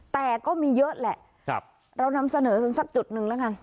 แต่ก็มีเยอะแหละเรานำเสนอกันสักจุดหนึ่งแล้วกัน